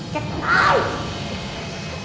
จัดเต็มให้เลย